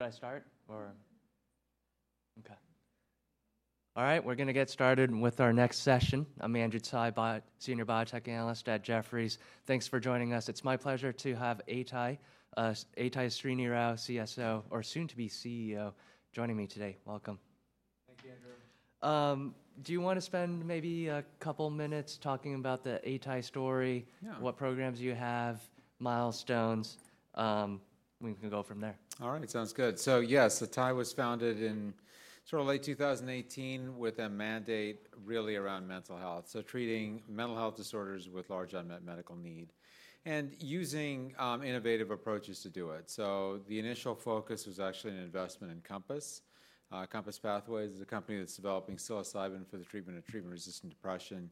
Should I start? Or, okay. All right, we're going to get started with our next session. I'm Andrew Tsai, Senior Biotech Analyst at Jefferies. Thanks for joining us. It's my pleasure to have Atai, Srinivas, CSO, or soon-to-be CEO, joining me today. Welcome. Thank you, Andrew. Do you want to spend maybe a couple of minutes talking about the Atai story, what programs you have, milestones? We can go from there. All right, sounds good. So yes, Atai was founded in sort of late 2018 with a mandate really around mental health, so treating mental health disorders with large unmet medical need and using innovative approaches to do it. So the initial focus was actually an investment in Compass. Compass Pathways is a company that's developing psilocybin for the treatment of treatment-resistant depression,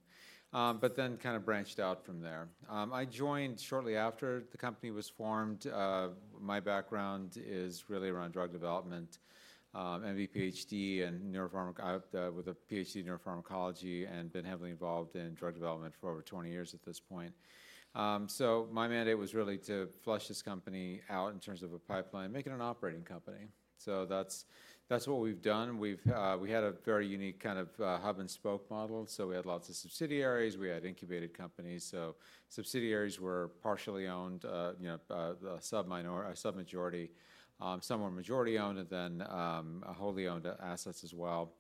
but then kind of branched out from there. I joined shortly after the company was formed. My background is really around drug development, M.D., Ph.D., and neuropharmacology with a Ph.D. in neuropharmacology, and been heavily involved in drug development for over 20 years at this point. So my mandate was really to flesh this company out in terms of a pipeline, making it an operating company. So that's what we've done. We had a very unique kind of hub-and-spoke model, so we had lots of subsidiaries. We had incubated companies, so subsidiaries were partially owned, a sub-majority, somewhat majority owned, and then wholly owned assets as well.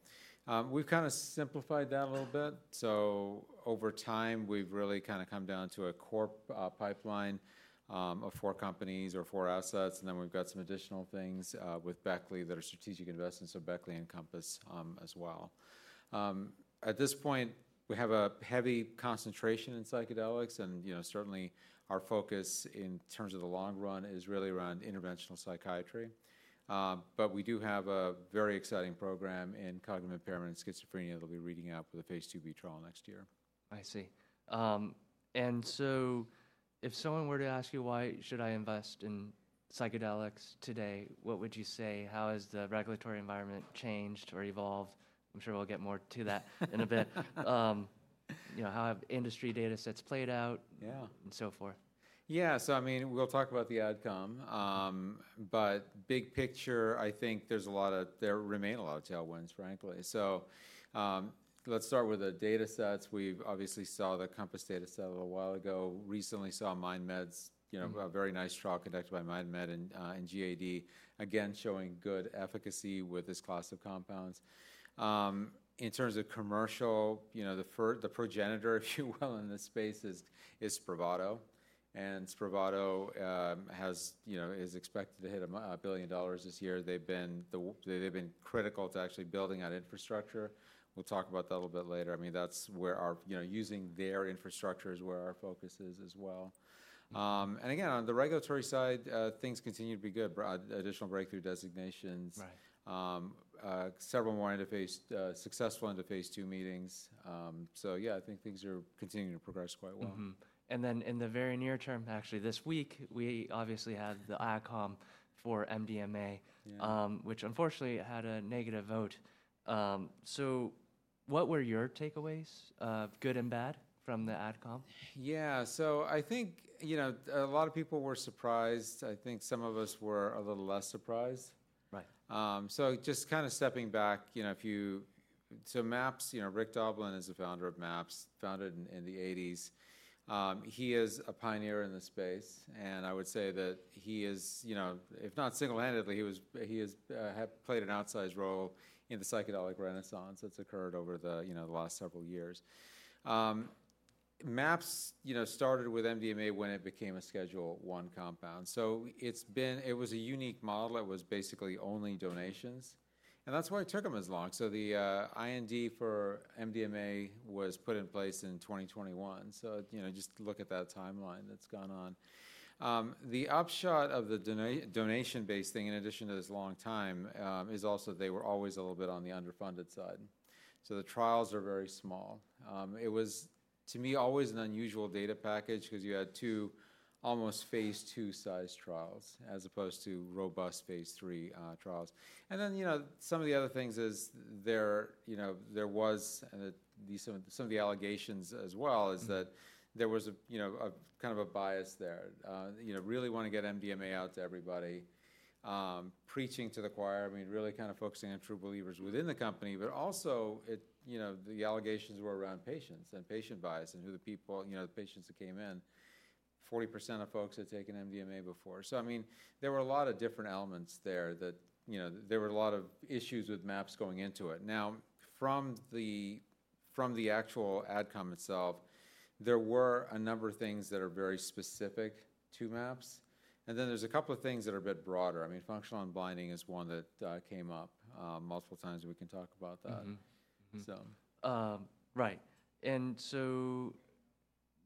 We've kind of simplified that a little bit. So over time, we've really kind of come down to a core pipeline of four companies or four assets, and then we've got some additional things with Beckley that are strategic investments, so Beckley and Compass as well. At this point, we have a heavy concentration in psychedelics, and certainly our focus in terms of the long run is really around interventional psychiatry. But we do have a very exciting program in cognitive impairment and schizophrenia that we'll be reading out for the phase II-B trial next year. I see. And so if someone were to ask you, "Why should I invest in psychedelics today?" what would you say? How has the regulatory environment changed or evolved? I'm sure we'll get more to that in a bit. How have industry data sets played out and so forth? Yeah, so I mean, we'll talk about the outcome, but big picture, I think there's a lot of - there remain a lot of tailwinds, frankly. So let's start with the data sets. We obviously saw the Compass data set a little while ago, recently saw MindMed's, a very nice trial conducted by MindMed in GAD, again showing good efficacy with this class of compounds. In terms of commercial, the progenitor, if you will, in this space is Spravato, and Spravato is expected to hit $1 billion this year. They've been critical to actually building out infrastructure. We'll talk about that a little bit later. I mean, that's where our - using their infrastructure is where our focus is as well. And again, on the regulatory side, things continue to be good, additional breakthrough designations, several more successful end-of-phase II meetings. So yeah, I think things are continuing to progress quite well. And then in the very near term, actually this week, we obviously had the AdCom for MDMA, which unfortunately had a negative vote. So what were your takeaways, good and bad, from the AdCom? Yeah, so I think a lot of people were surprised. I think some of us were a little less surprised. So just kind of stepping back, if you—so Rick Doblin is the founder of MAPS, founded in the 1980s. He is a pioneer in the space, and I would say that he is, if not single-handedly, he has played an outsized role in the psychedelic renaissance that's occurred over the last several years. MAPS started with MDMA when it became a Schedule I compound. So it was a unique model that was basically only donations, and that's why it took them as long. So the IND for MDMA was put in place in 2021. So just look at that timeline that's gone on. The upshot of the donation-based thing, in addition to this long time, is also they were always a little bit on the underfunded side. So the trials are very small. It was, to me, always an unusual data package because you had two almost phase II-sized trials as opposed to robust phase III trials. And then some of the other things is there was - and some of the allegations as well - is that there was kind of a bias there, really want to get MDMA out to everybody, preaching to the choir, I mean, really kind of focusing on true believers within the company. But also the allegations were around patients and patient bias and who the people, the patients that came in, 40% of folks had taken MDMA before. So I mean, there were a lot of different elements there that there were a lot of issues with MAPS going into it. Now, from the actual AdCom itself, there were a number of things that are very specific to MAPS, and then there's a couple of things that are a bit broader. I mean, functional unblinding is one that came up multiple times, and we can talk about that, so. Right. And so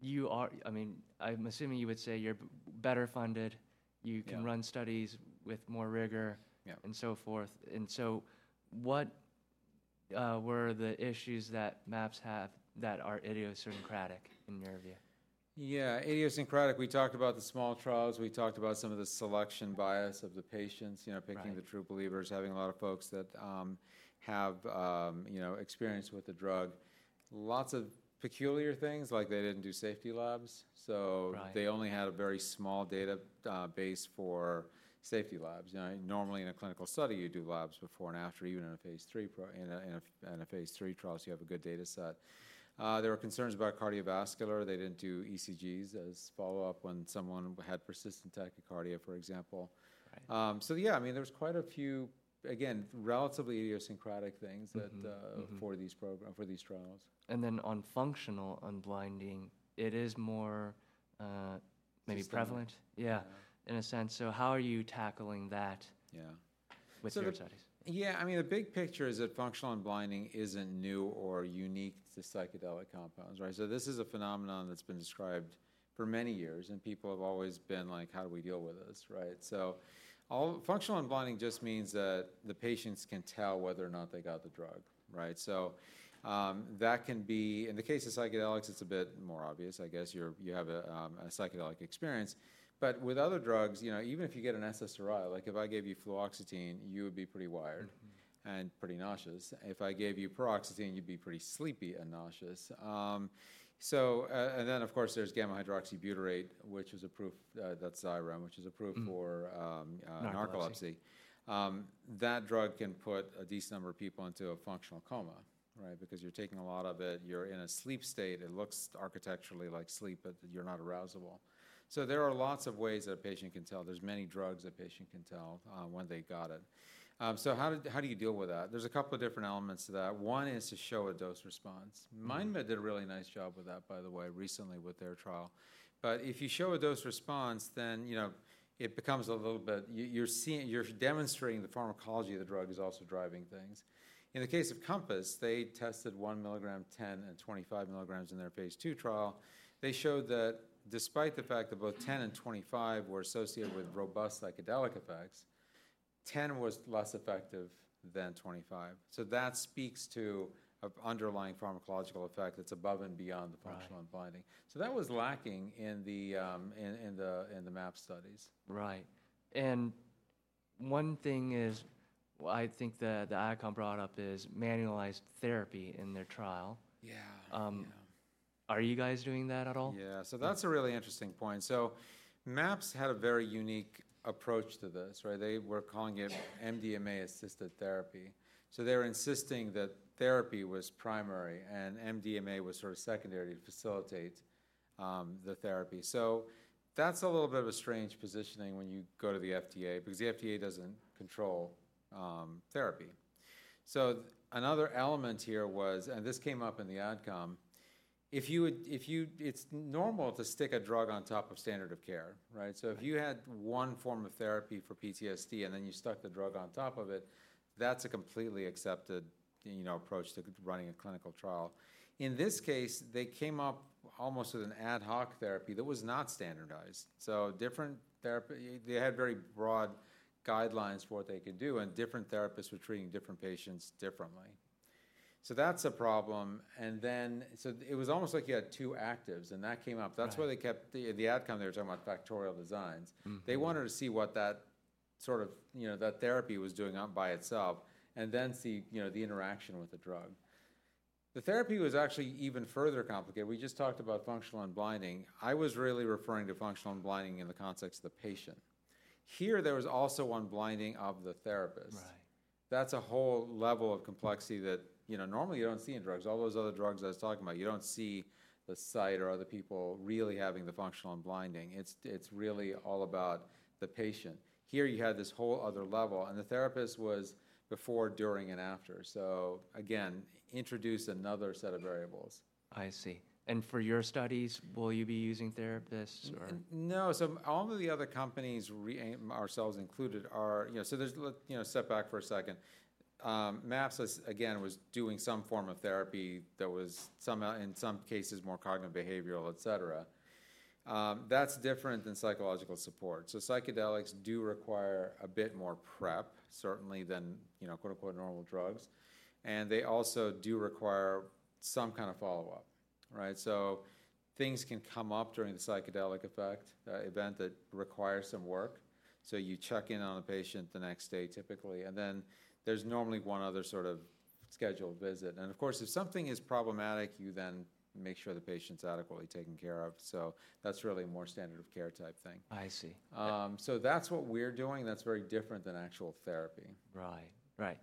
you are, I mean, I'm assuming you would say you're better funded, you can run studies with more rigor, and so forth. And so what were the issues that MAPS had that are idiosyncratic in your view? Yeah, idiosyncratic. We talked about the small trials. We talked about some of the selection bias of the patients, picking the true believers, having a lot of folks that have experience with the drug. Lots of peculiar things, like they didn't do safety labs, so they only had a very small database for safety labs. Normally, in a clinical study, you do labs before and after, even in a phase III trial, so you have a good data set. There were concerns about cardiovascular. They didn't do ECGs as follow-up when someone had persistent tachycardia, for example. So yeah, I mean, there's quite a few, again, relatively idiosyncratic things for these trials. And then on functional unblinding, it is more maybe prevalent? It's prevalent. Yeah, in a sense. So how are you tackling that with your studies? Yeah, I mean, the big picture is that functional unblinding isn't new or unique to psychedelic compounds, right? So this is a phenomenon that's been described for many years, and people have always been like, "How do we deal with this?" Right? So functional unblinding just means that the patients can tell whether or not they got the drug, right? So that can be - in the case of psychedelics, it's a bit more obvious, I guess. You have a psychedelic experience. But with other drugs, even if you get an SSRI, like if I gave you fluoxetine, you would be pretty wired and pretty nauseous. If I gave you paroxetine, you'd be pretty sleepy and nauseous. And then, of course, there's gamma-hydroxybutyrate, which is approved - that's Xyrem, which is approved for narcolepsy. That drug can put a decent number of people into a functional coma, right? Because you're taking a lot of it, you're in a sleep state. It looks architecturally like sleep, but you're not arousable. So there are lots of ways that a patient can tell. There's many drugs a patient can tell when they got it. So how do you deal with that? There's a couple of different elements to that. One is to show a dose response. MindMed did a really nice job with that, by the way, recently with their trial. But if you show a dose response, then it becomes a little bit—you're demonstrating the pharmacology of the drug is also driving things. In the case of Compass, they tested 1 mg, 10mg, and 25 mg in their phase II trial. They showed that despite the fact that both 10 mg and 25 mg were associated with robust psychedelic effects, 10 mg was less effective than 25 mg. So that speaks to an underlying pharmacological effect that's above and beyond the functional unblinding. So that was lacking in the MAPS studies. Right. One thing I think that the AdCom brought up is manualized therapy in their trial. Are you guys doing that at all? Yeah. So that's a really interesting point. So MAPS had a very unique approach to this, right? They were calling it MDMA-assisted therapy. So they were insisting that therapy was primary and MDMA was sort of secondary to facilitate the therapy. So that's a little bit of a strange positioning when you go to the FDA because the FDA doesn't control therapy. So another element here was, and this came up in the AdCom, it's normal to stick a drug on top of standard of care, right? So if you had one form of therapy for PTSD and then you stuck the drug on top of it, that's a completely accepted approach to running a clinical trial. In this case, they came up almost with an ad hoc therapy that was not standardized. So different therapy - they had very broad guidelines for what they could do, and different therapists were treating different patients differently. So that's a problem. And then it was almost like you had two actives, and that came up. That's why they kept the AdCom there talking about factorial designs. They wanted to see what that sort of therapy was doing by itself and then see the interaction with the drug. The therapy was actually even further complicated. We just talked about functional unblinding. I was really referring to functional unblinding in the context of the patient. Here, there was also unblinding of the therapist. That's a whole level of complexity that normally you don't see in drugs. All those other drugs I was talking about, you don't see the site or other people really having the functional unblinding. It's really all about the patient. Here, you had this whole other level, and the therapist was before, during, and after. So again, introduced another set of variables. I see. For your studies, will you be using therapists? No. So all of the other companies, ourselves included, are—so let's step back for a second. MAPS, again, was doing some form of therapy that was, in some cases, more cognitive behavioral, etc. That's different than psychological support. So psychedelics do require a bit more prep, certainly, than "normal drugs." And they also do require some kind of follow-up, right? So things can come up during the psychedelic event that requires some work. So you check in on the patient the next day, typically. And then there's normally one other sort of scheduled visit. And of course, if something is problematic, you then make sure the patient's adequately taken care of. So that's really a more standard of care type thing. I see. So that's what we're doing. That's very different than actual therapy. Right. Right.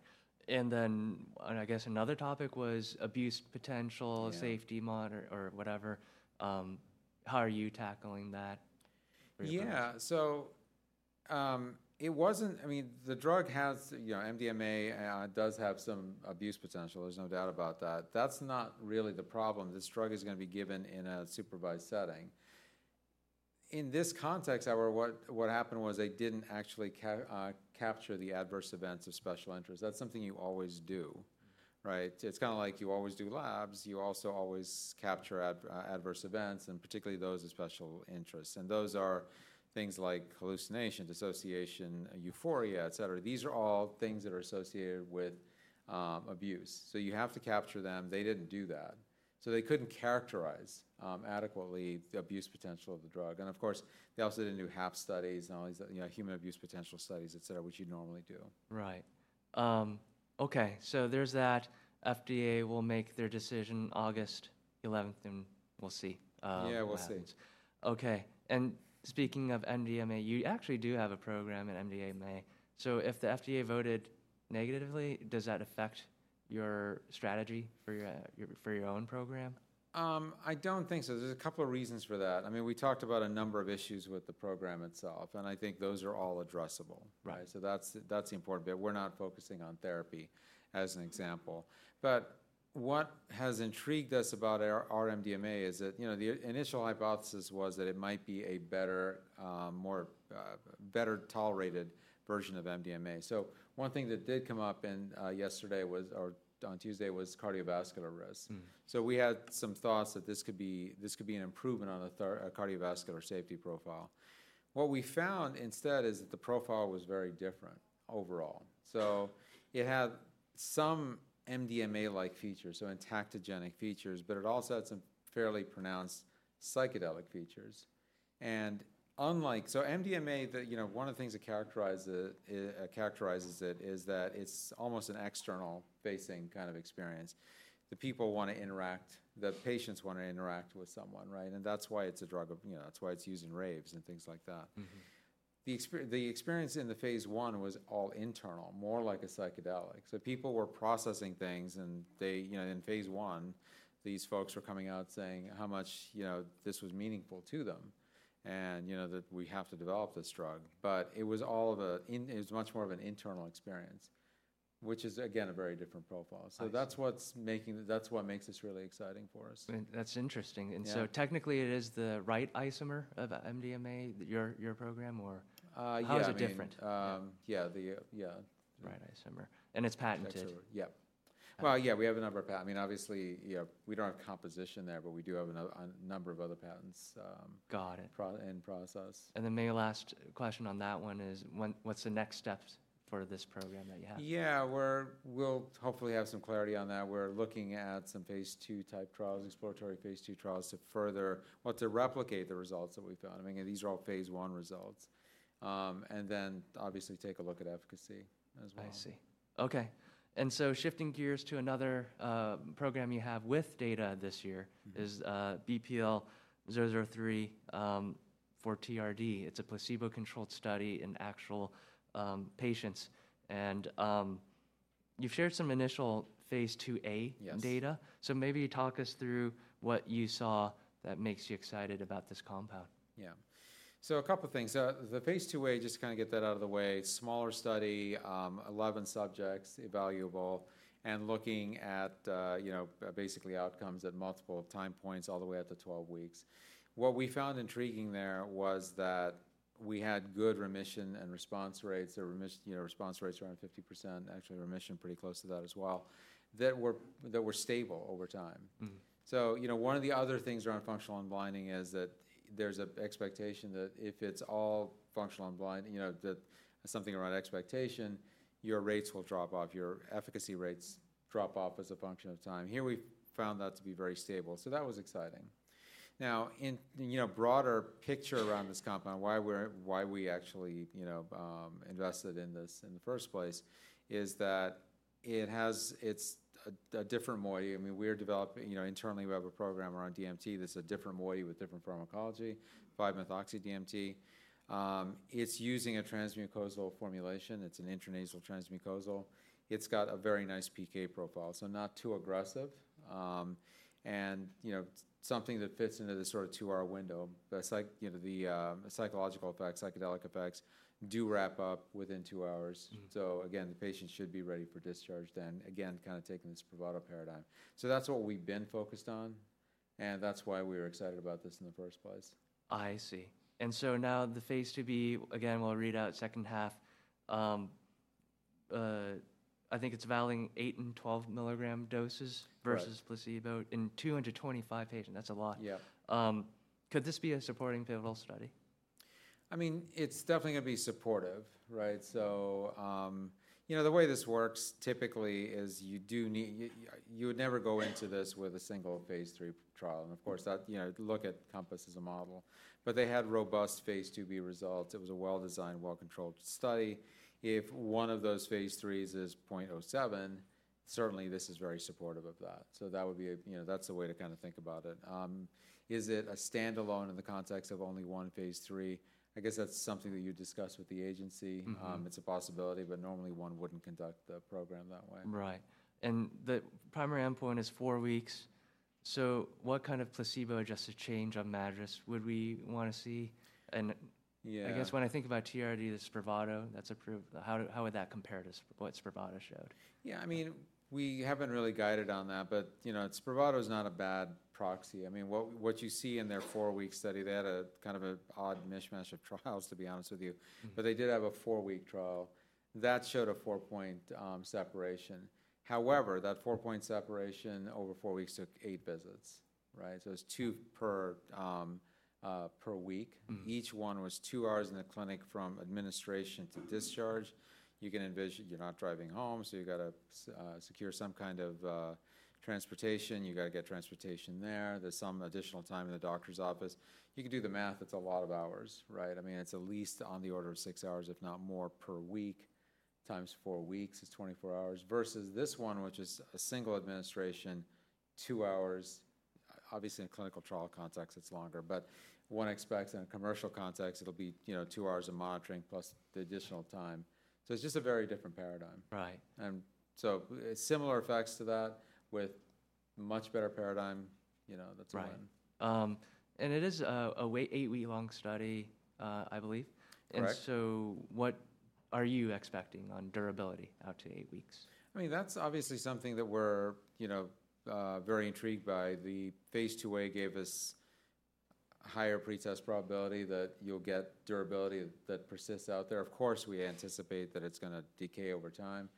And then I guess another topic was abuse potential, safety model, or whatever. How are you tackling that? Yeah. So it wasn't, I mean, the drug, MDMA, does have some abuse potential. There's no doubt about that. That's not really the problem. This drug is going to be given in a supervised setting. In this context, however, what happened was they didn't actually capture the adverse events of special interest. That's something you always do, right? It's kind of like you always do labs. You also always capture adverse events, and particularly those of special interest. And those are things like hallucinations, dissociation, euphoria, etc. These are all things that are associated with abuse. So you have to capture them. They didn't do that. So they couldn't characterize adequately the abuse potential of the drug. And of course, they also didn't do HAP studies and all these human abuse potential studies, etc., which you'd normally do. Right. Okay. So there's that. FDA will make their decision August 11th, and we'll see. Yeah, we'll see. Okay. And speaking of MDMA, you actually do have a program in MDMA. So if the FDA voted negatively, does that affect your strategy for your own program? I don't think so. There's a couple of reasons for that. I mean, we talked about a number of issues with the program itself, and I think those are all addressable, right? So that's the important bit. We're not focusing on therapy as an example. But what has intrigued us about our MDMA is that the initial hypothesis was that it might be a better, more tolerated version of MDMA. So one thing that did come up yesterday or on Tuesday was cardiovascular risk. So we had some thoughts that this could be an improvement on a cardiovascular safety profile. What we found instead is that the profile was very different overall. So it had some MDMA-like features, so entactogenic features, but it also had some fairly pronounced psychedelic features. And so MDMA, one of the things that characterizes it is that it's almost an external-facing kind of experience. The people want to interact. The patients want to interact with someone, right? And that's why it's used in raves and things like that. The experience in the phase I was all internal, more like a psychedelic. So people were processing things, and in phase I, these folks were coming out saying how much this was meaningful to them and that we have to develop this drug. But it was much more of an internal experience, which is, again, a very different profile. So that's what makes this really exciting for us. That's interesting. And so technically, it is the right isomer of MDMA, your program, or how is it different? Yeah. Yeah. Right isomer. And it's patented. That's right. Yep. Well, yeah, we have a number of, I mean, obviously, we don't have composition there, but we do have a number of other patents in process. Got it. And then my last question on that one is, what's the next steps for this program that you have? Yeah. We'll hopefully have some clarity on that. We're looking at some phase II-type trials, exploratory phase II trials to further—well, to replicate the results that we found. I mean, these are all phase I results. And then obviously take a look at efficacy as well. I see. Okay. And so shifting gears to another program you have with data this year is BPL-003 for TRD. It's a placebo-controlled study in actual patients. And you've shared some initial phase II-A data. So maybe talk us through what you saw that makes you excited about this compound. Yeah. So a couple of things. So the phase II-A, just to kind of get that out of the way, smaller study, 11 subjects evaluable, and looking at basically outcomes at multiple time points all the way up to 12 weeks. What we found intriguing there was that we had good remission and response rates. Their response rates were around 50%, actually remission pretty close to that as well, that were stable over time. So one of the other things around functional unblinding is that there's an expectation that if it's all functional unblinding, that something around expectation, your rates will drop off. Your efficacy rates drop off as a function of time. Here we found that to be very stable. So that was exciting. Now, in a broader picture around this compound, why we actually invested in this in the first place is that it's a different moiety. I mean, we're developing internally, we have a program around DMT that's a different moiety with different pharmacology, 5-Methoxy-DMT. It's using a transmucosal formulation. It's an intranasal transmucosal. It's got a very nice PK profile, so not too aggressive. And something that fits into the sort of two-hour window. The psychological effects, psychedelic effects do wrap up within two hours. So again, the patient should be ready for discharge then, again, kind of taking this provider paradigm. So that's what we've been focused on, and that's why we were excited about this in the first place. I see. And so now the phase II-B, again, we'll read out second half. I think it's evaluating 8 and 12 milligram doses versus placebo in 225 patients. That's a lot. Could this be a supporting pivotal study? I mean, it's definitely going to be supportive, right? So the way this works typically is you would never go into this with a single phase III trial. And of course, look at Compass as a model. But they had robust phase II-B results. It was a well-designed, well-controlled study. If one of those phase IIIs is 0.07, certainly this is very supportive of that. So that's the way to kind of think about it. Is it a standalone in the context of only one phase III? I guess that's something that you discuss with the agency. It's a possibility, but normally one wouldn't conduct the program that way. Right. And the primary endpoint is four weeks. So what kind of placebo-adjusted change on MADRS would we want to see? And I guess when I think about TRD, the Spravato, how would that compare to what Spravato showed? Yeah. I mean, we haven't really guided on that, but Spravato is not a bad proxy. I mean, what you see in their 4-week study, they had a kind of an odd mishmash of trials, to be honest with you. But they did have a four-week trial that showed a four-point separation. However, that four-point separation over four weeks took eight visits, right? So it was two per week. Each one was two hours in the clinic from administration to discharge. You're not driving home, so you got to secure some kind of transportation. You got to get transportation there. There's some additional time in the doctor's office. You can do the math. It's a lot of hours, right? I mean, it's at least on the order of six hours, if not more per week. Times four weeks is 24 hours versus this one, which is a single administration, two hours. Obviously, in a clinical trial context, it's longer. But one expects in a commercial context, it'll be two hours of monitoring plus the additional time. So it's just a very different paradigm. Similar effects to that with a much better paradigm. That's why. Right. And it is an eight-week-long study, I believe. And so what are you expecting on durability out to eight weeks? I mean, that's obviously something that we're very intrigued by. The phase II-A gave us higher pretest probability that you'll get durability that persists out there. Of course, we anticipate that it's going to decay over time.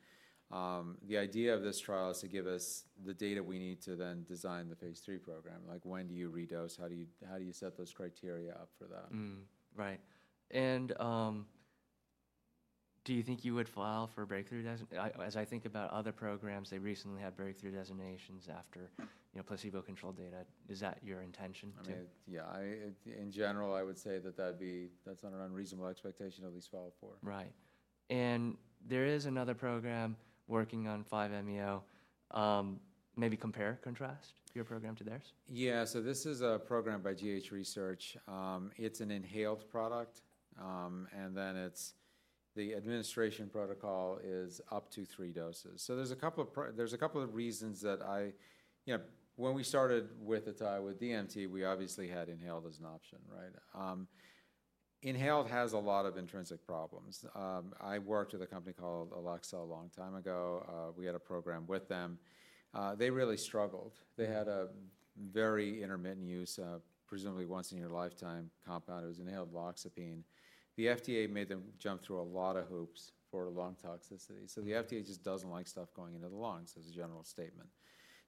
The idea of this trial is to give us the data we need to then design the phase III program. Like, when do you redose? How do you set those criteria up for that? Right. And do you think you would file for breakthrough designation? As I think about other programs, they recently had breakthrough designations after placebo-controlled data. Is that your intention? Yeah. In general, I would say that that's an unreasonable expectation to at least file for. Right. And there is another program working on 5-MeO. Maybe compare, contrast your program to theirs? Yeah. So this is a program by GH Research. It's an inhaled product. And then the administration protocol is up to three doses. So there's a couple of reasons that I – when we started with DMT, we obviously had inhaled as an option, right? Inhaled has a lot of intrinsic problems. I worked with a company called Alexza a long time ago. We had a program with them. They really struggled. They had a very intermittent use, presumably once in your lifetime, compound. It was inhaled loxapine. The FDA made them jump through a lot of hoops for lung toxicity. So the FDA just doesn't like stuff going into the lungs. That's a general statement.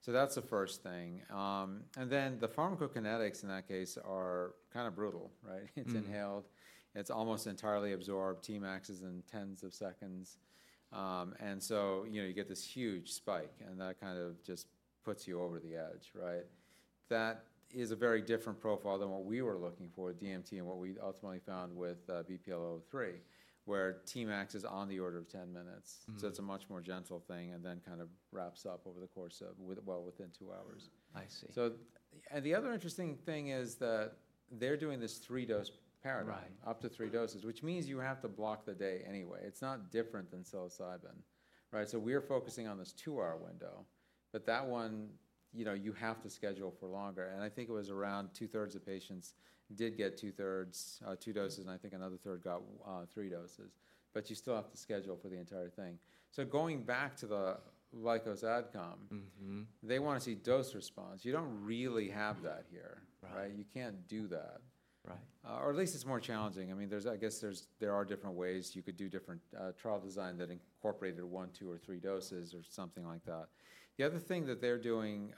So that's the first thing. And then the pharmacokinetics in that case are kind of brutal, right? It's inhaled. It's almost entirely absorbed. Tmax is in tens of seconds. And so you get this huge spike, and that kind of just puts you over the edge, right? That is a very different profile than what we were looking for with DMT and what we ultimately found with BPL-003, where Tmax is on the order of 10 minutes. So it's a much more gentle thing and then kind of wraps up over the course of, well, within two hours. I see. The other interesting thing is that they're doing this three-dose paradigm, up to three doses, which means you have to block the day anyway. It's not different than psilocybin, right? So we're focusing on this two-hour window. But that one, you have to schedule for longer. And I think it was around two-thirds of patients did get two-thirds, two doses, and I think another third got three doses. But you still have to schedule for the entire thing. So going back to the AdCom, they want to see dose response. You don't really have that here, right? You can't do that. Or at least it's more challenging. I mean, I guess there are different ways you could do different trial design that incorporated one, two, or three doses or something like that. The other thing that they're doing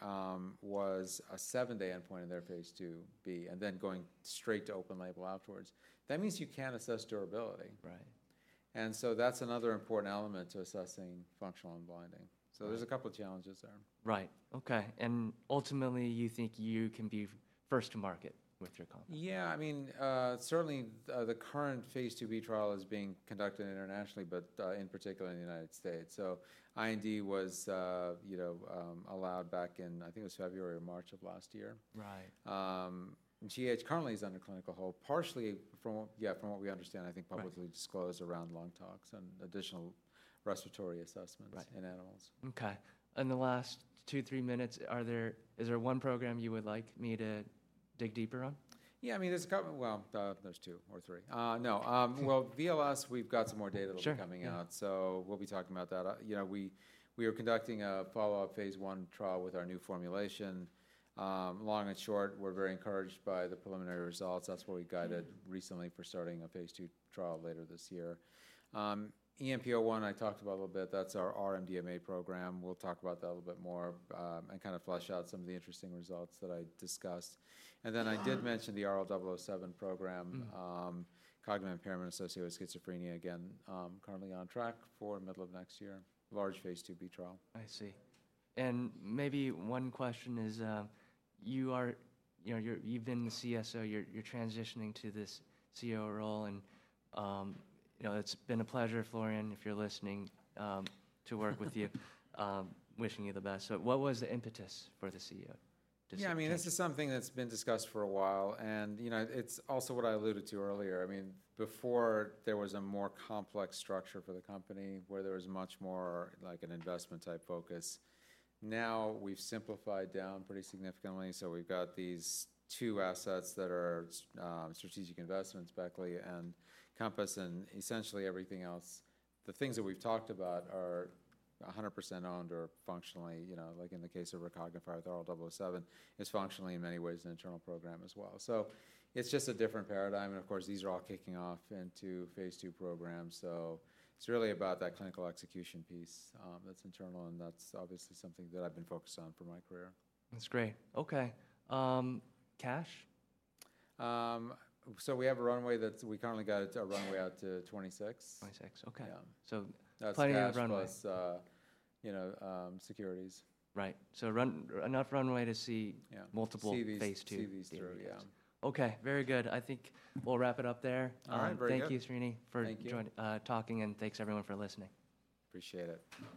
was a seven-day endpoint in their phase II-B and then going straight to open label afterwards. That means you can assess durability. And so that's another important element to assessing functional unblinding. So there's a couple of challenges there. Right. Okay. Ultimately, you think you can be first to market with your compound? Yeah. I mean, certainly the current phase II-B trial is being conducted internationally, but in particular in the United States. IND was allowed back in, I think it was February or March of last year. GH currently is under clinical hold, partially, yeah, from what we understand, I think publicly disclosed around lung tox and additional respiratory assessments in animals. Okay. In the last two-three minutes, is there one program you would like me to dig deeper on? Yeah. I mean, there's a couple, well, there's two or three. No. Well, VLS, we've got some more data coming out. So we'll be talking about that. We are conducting a follow-up phase I trial with our new formulation. Long and short, we're very encouraged by the preliminary results. That's why we guided recently for starting a phase II trial later this year. EMP-01, I talked about a little bit. That's our R-MDMA program. We'll talk about that a little bit more and kind of flesh out some of the interesting results that I discussed. And then I did mention the RL-007 program, cognitive impairment associated with schizophrenia, again, currently on track for middle of next year, large phase II-B trial. I see. Maybe one question is, you've been the CSO. You're transitioning to this CEO role. It's been a pleasure, Florian, if you're listening, to work with you, wishing you the best. So what was the impetus for the CEO? Yeah. I mean, this is something that's been discussed for a while. And it's also what I alluded to earlier. I mean, before there was a more complex structure for the company where there was much more like an investment-type focus. Now we've simplified down pretty significantly. So we've got these two assets that are strategic investments, Beckley and Compass, and essentially everything else. The things that we've talked about are 100% owned or functionally, like in the case of Recognify with RL-007, is functionally in many ways an internal program as well. So it's just a different paradigm. And of course, these are all kicking off into phase II programs. So it's really about that clinical execution piece that's internal. And that's obviously something that I've been focused on for my career. That's great. Okay. Cash? We have a runway out to 2026. Okay. So plenty of runway. That's pretty much plus securities. Right. So enough runway to see multiple phase IIs. See these through, yeah. Okay. Very good. I think we'll wrap it up there. All right. Very good. Thank you, Srini, for talking. Thanks, everyone, for listening. Appreciate it.